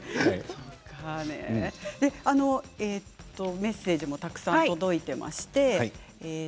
メッセージもたくさん届いています。